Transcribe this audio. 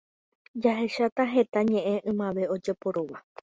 Jahecha heta ñe'ẽ ymave ojeporúva